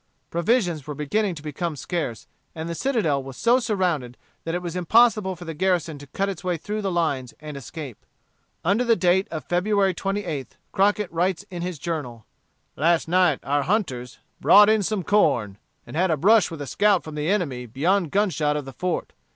Provisions were beginning to become scarce, and the citadel was so surrounded that it was impossible for the garrison to cut its way through the lines and escape. Under date of February 28th, Crockett writes in his Journal: "Last night our hunters brought in some corn, and had a brush with a scout from the enemy beyond gunshot of the fort.